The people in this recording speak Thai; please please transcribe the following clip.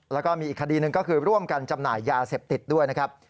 แล้วก็มีอีกคดีหนึ่งก็คือร่วมกันจำหน่ายยาเสพติดด้วยนะครับ